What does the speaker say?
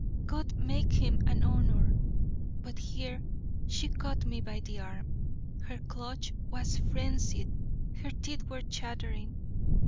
"God, make him an honour " But here she caught me by the arm. Her clutch was frenzied, her teeth were chattering.